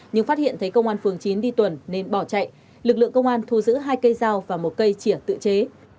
nhưng phát hiện thấy công an phường chín đi tuần nên bỏ chạy lực lượng công an thu giữ hai cây dao và một cây chĩa tự chế